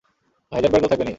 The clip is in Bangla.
হাইজেনবার্গ তো থাকবেনই।